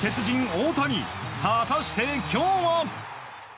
・大谷果たして、今日は？